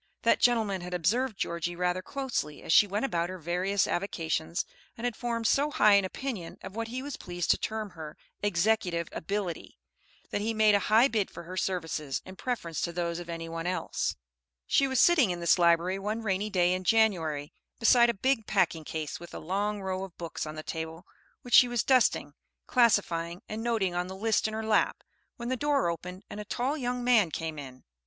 That gentleman had observed Georgie rather closely as she went about her various avocations, and had formed so high an opinion of what he was pleased to term her "executive ability," that he made a high bid for her services in preference to those of any one else. [Illustration: Recognizing an old friend, she jumped up, exclaiming, "Why Bob Mr. Curtis how do you do?" Page 49.] She was sitting in this library one rainy day in January, beside a big packing case, with a long row of books on the table, which she was dusting, classifying, and noting on the list in her lap, when the door opened and a tall young man came in.